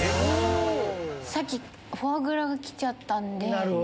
さっきフォアグラが来ちゃったんで。